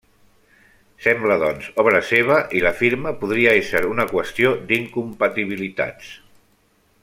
Sembla doncs, obra seva i la firma podria ésser una qüestió d'incompatibilitats.